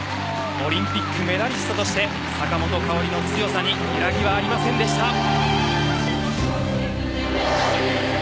オリンピックメダリストとして坂本花織の強さに揺らぎはありませんでした。